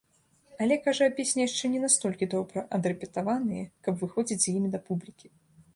Але, кажа, песні яшчэ не настолькі добра адрэпетаваныя, каб выходзіць з імі да публікі.